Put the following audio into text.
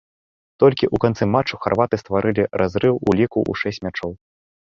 Толькі ў канцы матчу харваты стварылі разрыў у ліку ў шэсць мячоў.